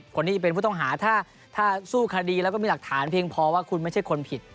คนนี้จะเป็นผู้ต้องหาถ้าสู้คดีแล้วก็มีหลักฐานเพียงพอว่าคุณไม่ใช่คนผิด